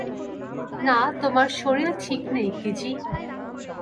না, তোমার শরীর ঠিক নেই, কিজি!